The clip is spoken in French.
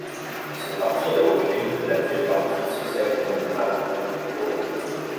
Ce parti est à l'origine de l'actuel Parti social-démocrate de Corée.